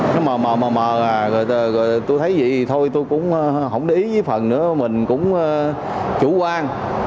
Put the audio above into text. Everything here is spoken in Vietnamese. nó mờ mờ mờ mờ à rồi tôi thấy gì thì thôi tôi cũng không để ý với phần nữa mình cũng chủ quan